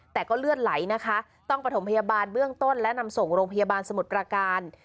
แต่ก็เลือดไหลนะคะต้องประถมพยาบาลเบื้องต้นและนำส่งโรงพยาบาลสมุทรประการ